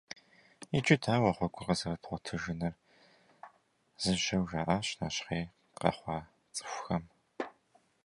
«Иджы дауэ гъуэгур къызэрыдгъуэтыжынур?» - зыжьэу жаӀащ нэщхъей къэхъуа цӀыкӀухэм.